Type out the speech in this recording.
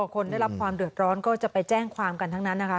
คนได้รับความเดือดร้อนก็จะไปแจ้งความกันทั้งนั้นนะคะ